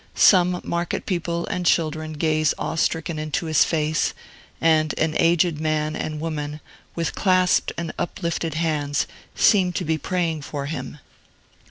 Some market people and children gaze awe stricken into his face, and an aged man and woman, with clasped and uplifted hands, seem to be praying for him.